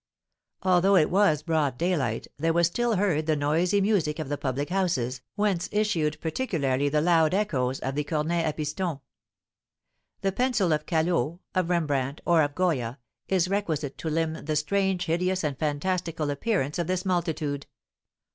Although it was broad daylight, there was still heard the noisy music of the public houses, whence issued particularly the loud echoes of the cornets à piston. The pencil of Callot, of Rembrandt, or of Goya is requisite to limn the strange, hideous, and fantastical appearance of this multitude.